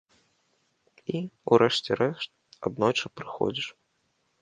І, у рэшце рэшт, аднойчы прыходзіш.